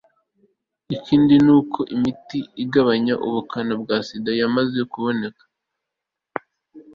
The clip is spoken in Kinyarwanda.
ikindi ni uko imiti igabanya ubukana bwa sida yamaze kuboneka